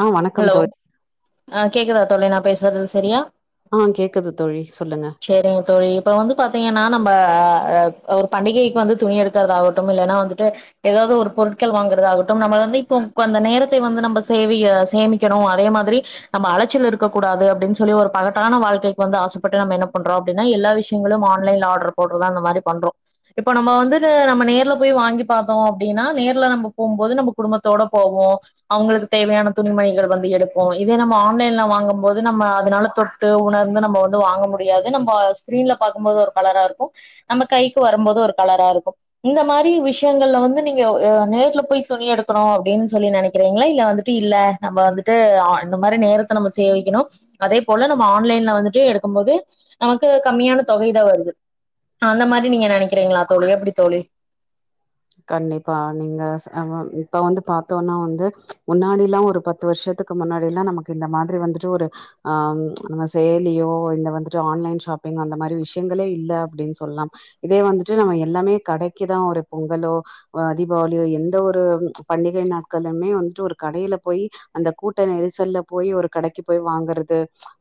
ஆ வணக்கம் ஹலோ தோழி அ கேக்குதா தோழி நா பேசுறது சரியா ஆ கேக்குது தோழி சொல்லுங்க சேரிங்க தோழி இப்ப வந்து பாத்தீங்கன்னா நம்ப அ ஒரு பண்டிகைக்கி வந்து துணி எடுக்கறதாகட்டும் இல்லன்னா வந்துட்டு எதாவ்து ஒரு பொருட்கள் வாங்குறதாகட்டும் நம்ம வந்து இப்போ அந்த நேரத்தை வந்து நம்ப சேவியஸ் சேமிக்கனு அதே மாத்ரி நம்ப அலச்சல் இருக்ககூடாது அப்டின் சொல்லி ஒரு பகட்டான வாழ்க்கைக்கு வந்து ஆசப்பட்டு நம்ம என்ன பண்றோ அப்டின்னா எல்லா விஷ் ங்களும் ஆன்லைன்ல ஆட்ரு போட்றது அந்த மாரி பண்றோ இப்ப நம்ப வந்துட்டு நம்ம நேர்ல போய் வாங்கி பாத்தோ அப்டின்னா நேர்ல நம்ப போம்போது நம்ப குடும்பத்தோட போவோ அவங்களுக்கு தேவையான துணிமணிகள் வந்து எடுப்போ இதே நம்ம ஆன்லைன்ல வாங்கும்போது நம்ம அதனால தொட்டு உணர்ந்து நம்ப வந்து வாங்கும்போது எப்டியாவது நம்ப ஸ்கிரீன்ல பாக்கும் போது ஒரு கலர்ரா இருக்கும் நம்ப கைக்கு வரும்போது ஒரு கலர்ரா இருக்கும் இந்த மாதிரி விஷயங்கள்ல வந்து நீங்க நேர்ல போய் துணி எடுக்கணு அப்டின்னு சொல்லி நெனைக்கிறீங்களா இல்ல வந்துட்டு இல்ல நம்ப வந்துட்டு ஆ இந்த மாதிரி நேரத்த நம்ம சேவைக்கணு அதே போல நம்ம ஆன்லைன்ல வந்துட்டு எடுக்கும் போது நமக்கு கம்மியான தொகைதா வருது அந்த மாதிரி நீங்க நெனைக்கிறீங்களா தோழி எப்டி தோழி கண்டிப்பா நீங்க இப்ப வந்து பாத்தோம்னா வந்து முன்னாடிலா ஒரு பத்து பத்து வருஷத்துக்கு முன்னாடிலா நமக்கு இந்த மாதிரி வந்துட்டு ஒரு ஆ நம்ம சேல்லியோ இதுல வந்துட்டு ஆன்லைன் ஷாப் இப்ப இங்க அந்த மாதிரி விஷயங்களே இல்ல அப்டின்னு சொல்லா இதே வந்துட்டு நம்ம எல்லாமே கடைக்குதா ஒரு பொங் பொங்கலோ அ தீபாவளியோ எந்த ஒரு பண்டிகை நாட்கலுமே வந்துட்டு ஒரு கடையில போய் அந்த கூட்ட நெரிசல்ல போய் ஒரு கடைக்கு போய் வாங்கறது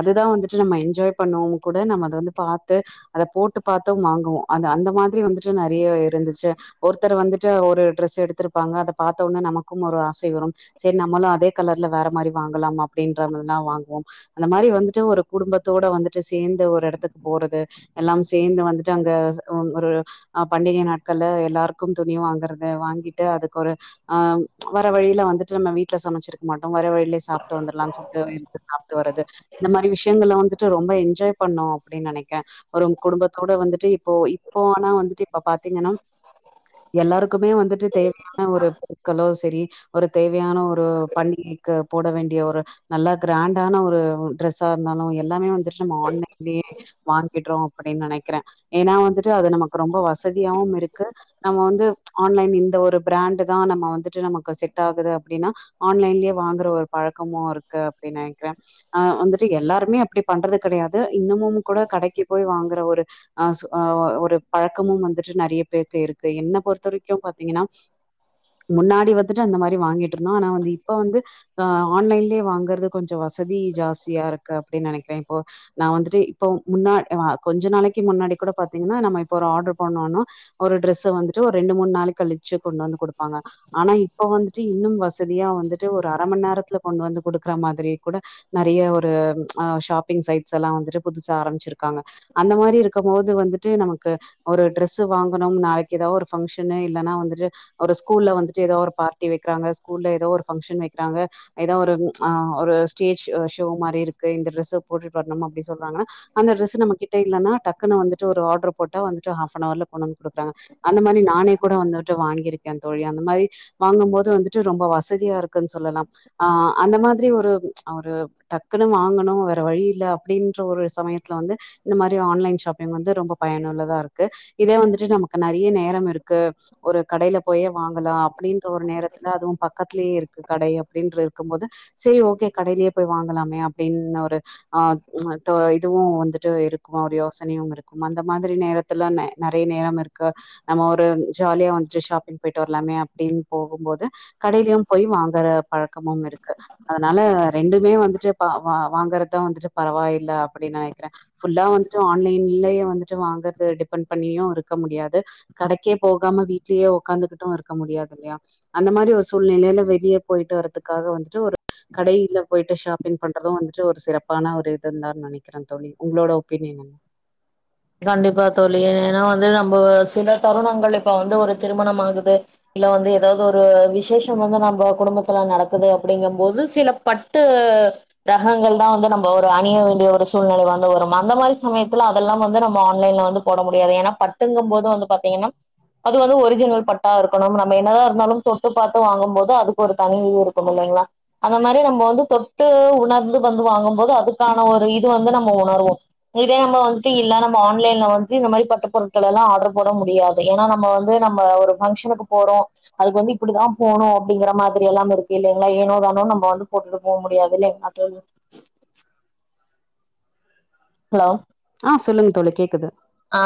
அதுதா வந்துட்டு நம்ப என்ஜாய் பண்ணுவோ கூட நம்ம அத வந்து பாத்து அத போட்டு பாத்தும் வாங்குவோ அது அந்த மாதிரி வந்துட்டு நெறைய இருந்துச்சு ஒருத்தர் வந்துட்டு ஒரு ட்ரெஸ் எடுத்துருப்பாங்க அத பாத்தோனே நமக்கும் ஒரு ஆசை வரும் சேரி நம்மளு அதே கலர்ல வேற மாதிரி வாங்கலாம் அப்டின்ற மாதிரிலா வாங்குவோ அந்த மாதிரி வந்துட்டு ஒரு குடும்பத்தோட வந்துட்டு சேர்ந்து ஒரு இடத்துக்கு போறது எல்லாம் சேர்ந்து வந்துட்டு அங்க ஒரு அ பண்டிக நாட்கள்ல எல்லாரு எல்லாருக்கும் துணி வாங்குறது வாங்கிட்டு அதுக்கு ஒரு ஆம் வர வழியில வந்துட்டு நம்ம வீட்டுல சமைச்சிருக்க மாட்டோ வர வழியில சாப்ட்டு வந்துரலான்னு சொல்ட்டு இருந்து சாப்ட்டு வரது இந்த மாதிரி விஷயங்கள்ல வந்துட்டு ரொம்ப என்ஜாய் பண்ணோ அப்டின்னு நெனைக்க ஒரும் குடும்பத்தோட வந்துட்டு இப்போ இப்போ ஆனா வந்துட்டு இப்ப பாத்தீங்கன்னா எல்லாருக்குமே வந்துட்டு தேவையான ஒரு பொருட்களோ சேரி ஒரு தேவையான ஒரு பண்டிகைக்கு போட வேண்டிய ஒரு நல்லா கிராண்டான ஒரு ட்ரெஸ்ஸா இருந்தாலு எல்லாமே வந்துட்டு நம்ம ஆன்லைன்லயே வாங்கிடுறோ அப்டின்னு நெனைக்கற ஏன்னா வந்துட்டு அது நமக்கு ரொம்ப வசதியாவு இருக்கு நம்ம வந்து ஆன்லைன் இந்த ஒரு பிராண்ட் தா நம்ம வந்துட்டு நமக்கு செட் ஆகுது அப்டின்னா ஆன்லைன்லயே வாங்குற ஒரு பழக்கமு இருக்கு அப்டின்னு நெனைக்கிற அ வந்துட்டு எல்லாருமே அப்டி பண்றது கிடையாது இன்னமு கூட கடைக்கு போய் வாங்குற ஒரு ஆ ஒரு பழக்கமு வந்துட்டு நெறைய பேருக்கு இருக்கு என்ன பொறுத்த வரைக்கும் பாத்தீங்கன்னா முன்னாடி வந்துட்டு அந்த மாதிரி வாங்கிட்டு இருந்தோ ஆனா வந்து இப்ப வந்து ஆ ஆன்லைன்லயே வாங்குறது கொஞ்ச வசதி ஜாஸ்தியா இருக்கு அப்டின்னு நெனைக்கிற இப்போ நா வந்துட்டு இப்போ முன்னா நா கொஞ்ச நாளைக்கு முன்னாடி கூட பாத்தீங்கன்னா நம்ம இப்ப ஒரு ஆர்டர் பண்ணோன்னா ஒரு ட்ரெஸ்ஸ வந்துட்டு ஒரு ரெண்டு மூணு நாளைக்கு கழிச்சு கொண்டு வந்து கொடுப்பாங்க ஆனா இப்ப வந்துட்டு இன்னும் வசதியா வந்துட்டு ஒரு அர ம நேரத்துல கொண்டு வந்து குடுக்குற மாதிரி கூட நெறைய ஒரு ஆ ஷாப்பிங் சைட்ஸ் எல்லா வந்துட்டு புதுசா ஆரமிச்சிருக்காங்க அந்த மாதிரி இருக்கும் போது வந்துட்டு நமக்கு ஒரு டிரெஸ்ஸு வாங்கணு நாளைக்கு ஏதாவது ஒரு ஃபங்ஷனு இல்லன்னா வந்துட்டு ஒரு ஸ்கூல்ல வந்துட்டு ஏதோ ஒரு பார்டி வைக்கிறாங்க ஸ்கூல்ல ஏதோ ஒரு ஃபங்ஷன் வைக்கிறாங்க ஏதோ ஒரு ஆ ஒரு ஸ்டேஜ் ஷோ மாதிரி இருக்கு இந்த டிரெஸ்ஸ போட்டுட்டு வரணும் அப்டின்னு சொல்றாங்கன்னா அந்த டிரெஸ் நம்மகிட்ட இல்லன்னா டக்குன்னு வந்துட்டு ஒரு ஆர்டர் போட்டா வந்துட்டு ஹாப் அன் ஹவர்ல கொண்ட ந்து குடுக்குறாங்க அந்த மாதிரி நானே கூட வந்துட்டு வாங்கியிருக்க தோழி அந்த மாதிரி வாங்கும்போது வந்துட்டு ரொம்ப வசதியா இருக்குன்னு சொல்லலா ஆஹ் அந்த மாதிரி ஒரு அ ஒரு டக்குனு வாங்கணு வேற வழி இல்ல அப்டின்ற ஒரு சமயத்துல வந்து இந்த மாரி ஆன்லைன் ஷாப்பிங் வந்து ரொம்ப பயனுள்ளதா இருக்கு இதே வந்துட்டு நமக்கு நெறைய நேரம் இருக்கு ஒரு கடைல போயே வாங்கலா அப்டின்ற ஒரு நேரத்துல அதுவு பக்கத்துலயே இருக்கு கடை அப்டின்ற இருக்கும் போது சேரி ஓகே கடைலயே போய் வாங்கலாமே அப்டின் ஒரு ஆ மத்த இதுவு வந்துட்டு இருக்கு ஒரு யோசனையும் இருக்கும் அந்த மாதிரி நேரத் த்துல நெ நெறைய நேரம் இருக்கு நம்ம ஒரு ஜாலியா வந்துட்டு ஷாப்பிங் போய்ட்டு வர்லாமே அப்டின் போகும்போது கடையிலயு போய் வாங்குற பழக்கமும் இருக்கு அதனால ரெண்டுமே வந்துட்டு ப வா வாங்கறதா வந்துட்டு பரவாயில்ல அப்டின் நெனைக்கிறே ஃபுல்லா வந்துட்டு ஆன்லைன்லயே வந்துட்டு வாங்கறத டிபெண்ட் பண்ணியு இருக் க்க முடியாது கடைக்கே போகாம வீட்லயே ஒக்காந்துகிட்டு இருக்க முடியாது இல்லையா அந்த மாரி ஒரு சூழ்நிலைல வெளிய போயிட்டு வரத்துக்காக வந்துட்டு ஒரு கடையில போயிட்டு ஷாப்பிங் பண்றது வந்துட்டு ஒரு சிறப்பான ஒரு இதுன்தா நெனைக்கிறே தோழி உங்களோட ஒப்பீனியன் என்ன கண்டிப்பா தோழி ஏனா வந்து நம்ப சில தருணங்கள் இப்ப வந்து ஒரு திருமணம் ஆகுது இல்ல வந்து எதாவ்து ஒரு விசேஷ வந்து நம்ப குடும்பத்துல நடக்குது அப்டிங்கம் போது சில பட் டு ரகங்கள் தா வந்து நம்ப ஒரு அணிய வேண்டிய ஒரு சூழ்நிலை வந்து வரும் அந்த மாரி சமயத்துல அதெல்லாம் வந்து நம்ம ஆன்லைன்ல வந்து போட முடியாது ஏனா பட்டுங்கம் போது வந்து பாத்தீங்கனா அது வந்து ஒரிஜினல் பட்டா இருக்கணும் நம்ம என்னதா இருந்தாலும் தொட்டு பாத்து வாங்கும்போது அதுக்கு ஒரு தனி இது இருக்கும் இல்லைங்களா அந்த மாரி நம்ம வந்து தொட்டு உணர்ந்து வந்து வாங்கும் போது அதுக்கான ஒரு இது வந்து நம்ம உணர்வோ இதே நம்ப வந் து இல்லா நம்ம ஆன்லைன்ல வந்து இந்த மாரி பட்டுப்பொருட்கள் எல்லா ஆர்ட்ரு போடவு முடியாது ஏனா நம்ம வந்து நம்ம ஒரு‌ ஃபங்க்ஷனுக்குப் போறோ அதுக்கு வந்து இப்டிதா போணு அப்டிங்கிற மாதிரியெல்லாம் இருக்கு இல்லைங்களா ஏனோ தானோன் நம்ப வந்து போட்டுட்டு போ முடியாதுல்ல அதா ஏ ஹலோ ஆ சொல்லுங்க தோழி கேக்குது ஆ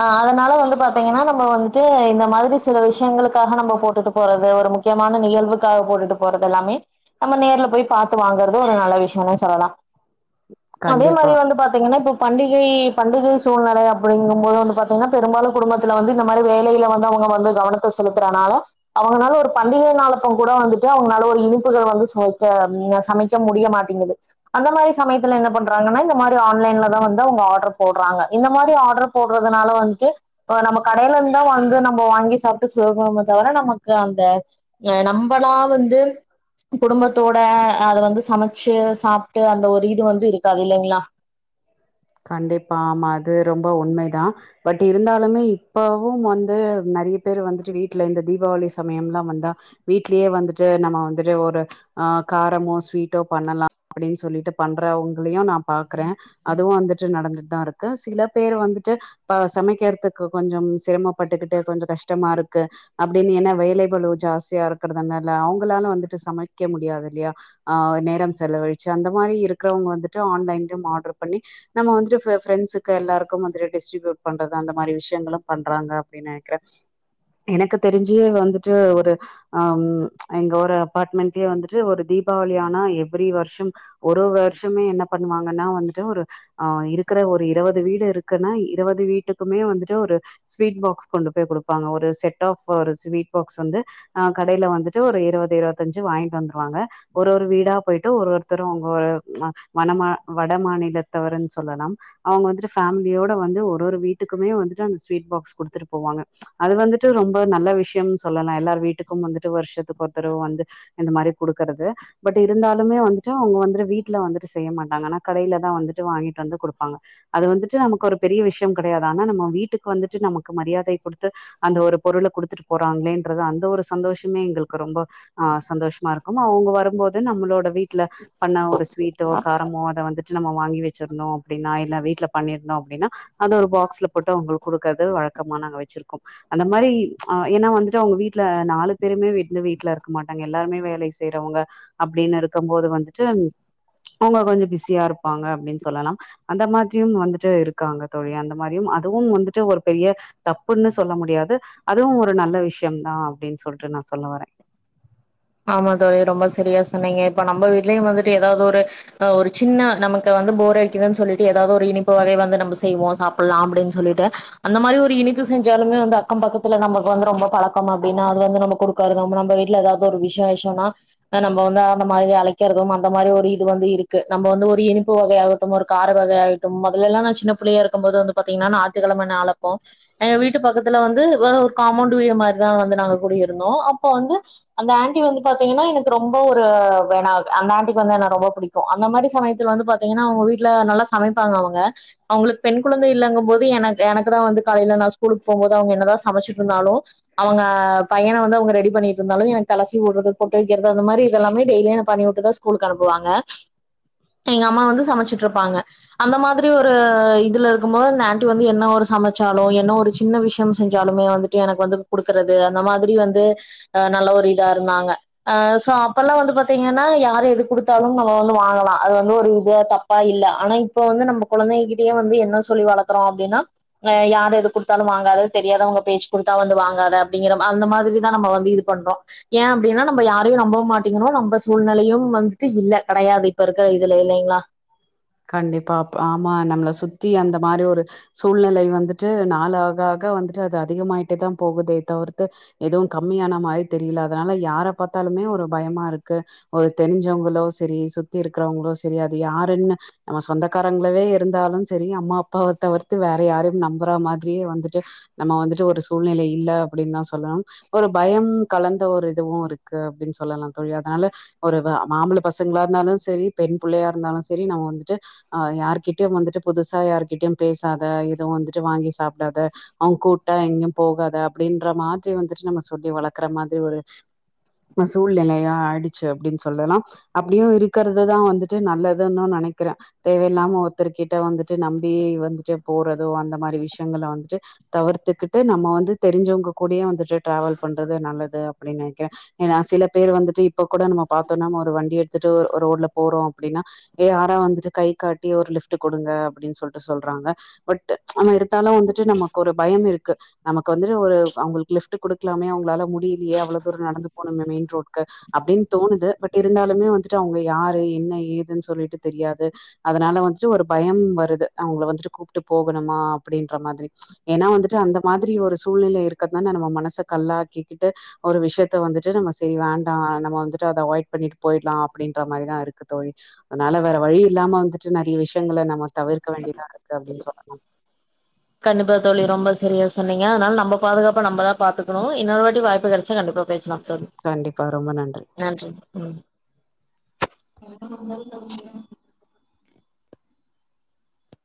ஆ அதனால வந்து பாத்தீங்கனா நம்ம வந்துட்டு இந்த மாதிரி சில விஷ்யங்களுக்காக நம்ம போட்டுட்டு போறது ஒரு முக் கியமான நிகழ்வுக்காக போட்டுட்டு போறதெல்லாமே நம்ம நேர்ல போய் பாத்து வாங்கறது ஒரு நல்ல விஷ்யோனே சொல்லலா அதே கண்டிப்பா மாரி வந்து பாத்தீங்கனா இப்ப பண்டிகை பண்டிகை சூழ்நிலை அப் டிங்கும்போது வந்து பாத்தீங்கனா பெரும்பாலு குடும்பத்துல வந்து இந்த மாரி வேலையில வந்து அவுங்க வந்து கவனத்த செலுத்துறனால அவுங்கனால ஒரு பண்டிகை நாளப்பங் கூட வந்துட்டு அவுங்கனால ஒரு இனிப்புகள் வந்து சுமைக்க ம் அ சமை க்க முடிய மாட்டிங்கிது அந்த மாரி சமயத்துல என்ன பண்றாங்கனா இந்த மாரி ஆன்லைன்ல தா வந்து அவுங்க ஆட்ரு போட்றாங்க இந்த மாரி ஆட் ரு போட்றதுனால வந்ட்டு இப்ப நம்ம கடையிலருந்தா வந்து நம்ப வாங்கி சாப்ட்டு சொல்வோமே தவர நமக்கு அந்த ஏ நம்பளா வந்து குடும்பத்தோட அத வந்து சமைச்சு சாப்ட்டு அந்த ஒரு இது வந்து இருக்காது இல்லைங்களா கண்டிப்பா ஆமா அது ரொம்ப உண்மை தா பட் இருந்தாலுமே இப்பவும் வந்து நெறைய பேரு வந்துட்டு வீட்ல இந்த தீபாவளி சமயம்லா வந்தா வீட்லயே வந்துட்டு நம்ம வந்துட்டு ஒரு ஆ காரமோ ஸ்வீட்டோ பண்ணலா அப்டின் சொல்லிட்டு பண்றவங்களையு நா பாக்குறே அதுவு வந்துட்டு நடந்துட்டு தா இருக்கு சில பேரு வந்துட்டு இப்ப சமைக்கிறதுக்கு கொஞ்சம் சிரமப்பட்டுக்கிட்டு கொஞ்ச கஷ்டமா இருக்கு அப்டின்னு என்ன வேலைகளு ஜாஸ்தியா இருக்கிறதுனால அவங்களாலும் வந்துட்டு சமைக்க முடியாது இல்லையா ஆ நேரம் செலவழிச்சு அந்த மாரி இருக்கிறவங்க வந்துட்டு ஆன்லைன்லயும் ஆர்டர் பண்ணி நம்ம வந்துட்டு ப்ரெண்ட்ஸ்க்கு எல்லாருக்கும் வந்து டிஸ்டரிபியூட் பண்றது அந்த மாதிரி விஷயங்களும் பண்றாங்க நினைக்கிறேன் எனக்கு தெரிஞ்சே வந்துட்டு ஒரு ஆம் எங்க ஒரு அபார்ட்மெண்ட்லயே வந்துட்டு ஒரு தீபாவளிய ஆனா எவ்ரி வருஷம் ஒரு ஒரு வருஷமே என்ன பண்ணுவாங் அங்கன்னா வந்துட்டு ஒரு ஆ இருக்கிற ஒரு இருபது வீடு இருக்குன்னா இருபது வீட்டுக்குமே வந்துட்டு ஒரு ஸ்வீட் பாக்ஸ் கொண்டு போய் குடுப்பாங்க ஒரு செட் ஆஃப் ஒரு ஸ்வீட் பாக்ஸ் வந்து ஆ கடைல வந்துட்டு ஒரு இருவது இருவத்தஞ்சு வாங்ட்டு வந்ருவாங்க ஒரு ஒரு வீடா போயிட்டு ஒரு ஒருத்தரு அவுங்கோ அ மனமா வட மாநிலத்தவருன் சொல்லலாம் அவுங்க வந்துட்டு ஃபேமிலியோட வந்து ஒரு ஒரு வீட்டுக்குமே வந்துட்டு அந்த ஸ்வீட் பாக்ஸ் குடுத்துட்டு போவாங்க அது வந்துட்டு ரொம்ப நல்ல விஷ்யம்ன் சொல்லலா எல்லார் வீட்டுக்கும் வந்துட்டு வருஷத்துக் ஒருத்தடவ் வந்து இந்த மாரி குடுக்கறது பட் இருந்தாலுமே வந்துட்டு அவுங்க வந்துடு வீட்ல வந்துட்டு செய்ய மாட்டாங் ஆனா கடைல தா வந்துட்டு வாங்கிட் வந்து குடுப்பாங்க அது வந்துட்டு நமக் ஒரு பெரிய விஷ்யம் கெடையாது ஆனா நம்ம வீட்டுக் வந்துட்டு நமக்கு மரியாதை கொடுத்து அந்த ஒரு பொருள குடுத்துட் போறாங்களேன்றது அந்த ஒரு சந்தோஷ்மே எங்களுக்கு ரொம்ப ஆ சந்தோஷ்மாருக்கும் அவ்ங்க வரும்போது நம்ளோட வீட்ல பண்ணா ஒரு ஸ்வீட்டோ காரமோ அத வந்துட் நம்மோ வாங்கி வெச்சிர்ணு அப்டின்னா இல்ல வீட்ல பண்ணிர்ணு அப்டின்னா அத ஒரு பாக்ஸ்ல போட்டு அவுங்களுக் குடுக்கறது வழக்கமா நாங்க வச்சிருக்கோம் அந்த மாரி ஆ ஏன்னா வந்துட்டு அவ்ங்க வீட்ல நாலு பேருமே வெட் வீட்லருக்க மாட்டாங்க எல்லாருமே வேலை செய்றவங்க அப்டின்னருக்கும் போது வந்துட்டு அவுங்க கொஞ்ச பிஸியாருப்பாங்க அப்டின் சொல்லலாம் அந்த மாத்ரியும் வந்துட்டு இருக்காங்க தோழி அந்த மாரியும் அதுவும் வந்துட்டு ஒரு பெரிய தப்புன்னு சொல்ல முடியாது அதுவு ஒரு நல்ல விஷ்யம்தா அப்டின் சொல்ட்டு நா சொல்ல வரே ஆமா தோழி ரொம்ப செரியா சொன்னீங்க இப்ப நம்ப வீடலயு வந்துட்டு ஏதாவ்து ஒரு இப்ப ஒரு சின்ன நமக்கு வந்து போர் அடிக்கிதுன் சொல்லிட்டு எதாவ்து ஒரு இனிப்பு வகை வந்து நம்ப செய்வோ சாப்புல்லா அப்டின் சொல்லிட்டு அந்த மாரி ஒரு இனிப்பு செஞ்சாலுமே வந்து அக்கம் பக்கத்துல நம்பக் வந்து ரொம்ப பழக்கம் அப்டின்னா அது வந்து நம்ம குடுக்காதது நம் நம்ப வீட்ல ஏதாவ் ஒரு விஷோ விஷோனா நம்ப வந்து அந்த மாதிரி அழைக்கறதும் அந்த மாரி ஒரு இது வந்து இருக்கு நம்ப வந்து ஒரு இனிப்பு வகையாகட்டும் ஒரு கார வகையாயி மொதலல்லா நா சின்ன புள்ளையா இருக்கம்போது வந்து பாத்தீங்னா நாய்த்துக்கெழம நாள் அப்போ எங்க வீட்டு பக்கத்துல வந்து ஒரு காமோண்டு வீடு மாரிதா வந்து நாங்க குடி இருந்தோ அப்போ வந்து அந்த ஆண்ட்டி வந்து பாத்தீங்கன்னா எனக்கு ரொம்ப ஒரு வேணாக் அந்த ஆண்ட்டிக்கு வந்து என்ன ரொம்ப புடிக் அந்த மாரி சமயத்துல வந்து பாத்தீங்னா அவ்ங்க வீட்ல நல்லா சமைப்பாங்க அவுங்க அவுங்ளுக் பெண் குழந்தை இல்லங்கும் போது எனக் எனக்குதா வந்து காலைல நா ஸ்கூலுக் போம்போது அவ்ங்க என்னதா சமைச்சிட்ருந்தாலு அவங்க பையன வந்து அவுங்க ரெடி பண்ணிட்ருந்தாலு எனக் தலசீவி உட்றது பொட்டு வக்கிறது அந்த மாரி இதெலாமே டெய்லியு பண்ணி உட்டுதா ஸ்கூலுக்கு அனுப்புவாங்க எங்க அம்மா வந்து சமச்சிட்ருப்பாங்க அந்த மாதிரி ஒரு இதுலருக்கும்போது இந்த ஆன்ட்டி வந்து என்ன ஒரு சமச்சாலோ என்ன ஒரு சின்ன விஷ்யம் செஞ்சாலுமே வந் எனக் வந்து குடுக்கறது அந்த மாதிரி வந்து அ நல்ல ஒரு இதாருந்தாங்க அ சோ அப்பல்லா வந்து பத்தீங்கன்னா யாரு எது குடுத்தாலு நம்ம வந்து வாங்கலா அது வந்து ஒரு இதே தப் பா இல்ல ஆனா இப்ப வந்து நம்ப கொழந்தைங்ககிட்டயே வந்து என்ன சொல்லி வளக்குறோ அப்டின்னா அ யார் எது குடுத்தாலு வாங்காத தெரியாதவுங்க பேச்சு குடுத்தா வந்து வாங்காத அப்டிங்கிற அந்த மாதிரிதா நம்ம வந்து இது பண்றோ என்னா நம்ப யாரையு நம்ப மாட்டிங்கிறோ நம்ப சூழ்நெலையும் வந்துட்டு இல்ல கெடையாது இப்பருக்கற இதுல இல்லிங்ளா கண்டிப்பா அப் ஆமா நம்ள சுத்தி அந்த மாரி ஒரு சூழ்நிலை வந்துட்டு நாளாக ஆக வந்துட்டு அது அதிகமாயிட்டே தா போகுதே தவிர்த்து எதுவு கம்மியான மாரி தெரில அதனால யார பாத்தாலுமே ஒரு பயமாருக்கு ஒரு தெரிஞ்சவுங்களோ செரி சுத்தி இருக்குறவங்ளோ செரி அது யாருன்னு நம சொந்தக்காரங்ளவே இருந்தாலு செரி அம்மா அப்பாவ தவர்த்து வேற யாரைம் நம்ப்ற மாதிரியே வந்துட்டு நம்ம வந்துட்டு ஒரு சூழ்நிலை இல்ல அப்டின் தா சொல்லும் ஒரு பயம் கலந்த ஒரு இதுவு இருக்கு அப்டின் சொல்லலா தோழி அதனால ஒரு வ ஆம்பள பசங்ளா இருந்தாலு செரி பெண் புள்ளையா இருந்தாலு செரி நம்ம வந்துட்டு அ யார்கிட்டயு வந்துட்டு புதுசா யார்கிட்டயும் பேசாத எதுவும் வந்துட்டு வாங்கி சாப்டாத அவுங் கூட்டா எங்கிம் போகாத அப்டின்ற மாத்ரி வந்துட்டு நம்ம சொல்லி வளக்ற மாதிரி ஒரு சூழ்நிலையா ஆய்டுச்சு அப்டின் சொல்லலா அப்டியு இருக்கறது தா வந்துட் டு நல்லதுன்னு நெனக்கிற தேவையில்லாம ஒருத்தர்கிட்ட வந்துட்டு நம்பி வந்துட்டு போறதோ அந்த மாரி விஷயங்கள்ல வந்துட்டு தவர்த்துக்கிட்டு நம்ம வந்து தெரிஞ்சவுங்க கூடே வந்துட்டு டிராவல் பண்றது நல்லது அப்டின் நெனக்கிற ஏனா சில பேர் வந்துட்டு இப்பக் கூட நம்ம பாத்தோன்னா நம்ம ஒரு வண்டிய எடுத்துட்டு ஒரு ரோட்ல போறோ அப்டின்னா ஏ யாரோ வந்துட்டு கை காட்டி ஒரு லிஃப்ட்டு கொடுங்க அப்பிடின் சொல்ட்டு சொல்றாங்க பட்டு ஆனா இருத்தாலு வந்துட்டு நமக்கொரு பயம் இருக்கு நமக்கு வந்துட்டு ஒரு அவுங்குளுக்கு லிப்ட்டு குடுக்லாமே அவுங்ளால முடியிலியே அவ்ளோ தூர நடந்து போனுமே மெயின் ரோட்க்கு அப்டின் தோணுது பட் இருந்தாலுமே வந்துட்டு அவுங்க யாரு என்ன ஏதுன் சொல்லிட்டு தெரியாது அதனால வந்துட்டு ஒரு பயம் வருது அவுங்கள வந்துட்டு கூப்ட்டு போகணுமா அப்டின்ற மாதிரி ஏன்னா வந்துட்டு அந்த மாதிரி ஒரு சூழ்நிலை இருக்கத்தான நம்ம மனச கல்லாக்கிக்கிட்டு ஒரு விஷயத்த வந்துட்டு நம்ம செரி வேண்டா நம்ம வந்துட்டு அத அவாய்ட் பண்ணிட்டு போயிட்லா அப்டின்ற மாரிதா இருக்கு தோழி அதனால வேற வழி இல்லாம வந்துட்டு நெறைய விஷயங்கள நம்ம தவிர்க்க வேண்டிதா இருக்கு அப்டின் சொல்லலா கண்டிப்பா தோழி ரொம்ப சரியா சொன்னீங்க அதனால நம்ப பாதுகாப்ப நம்பதா பாத்துக்ணு இன்னொரு வாட்டி வாய்ப்பு கெடச்ச கண்டிப்பா பேச லா தோழி கண்டிப்பா ரொம்ப நன்றி நன்றி ம்